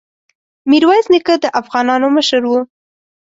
ميرويس نيکه د افغانانو مشر وو.